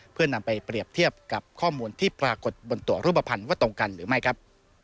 เพื่อนำไปเปรียบเทียบกับข้อมูลที่ปรากฏบนตัวรูปภัณฑ์ว่าตรงกันหรือไม่ครับ